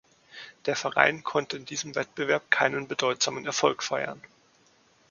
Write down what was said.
Der Verein konnte in diesen Wettbewerb keinen bedeutsamen Erfolg feiern.